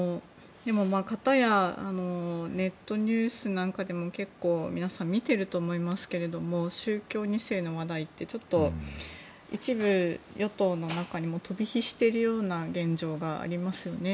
でも、片やネットニュースなんかでも皆さん見ていると思いますが宗教２世の話題ってちょっと一部与党の中にも飛び火しているような現状がありますよね。